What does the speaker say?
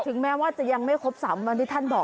แม้ว่าจะยังไม่ครบ๓วันที่ท่านบอก